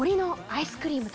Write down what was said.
アイスクリーム。